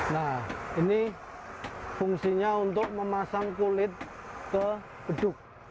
nah ini fungsinya untuk memasang kulit ke beduk